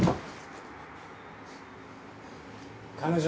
彼女。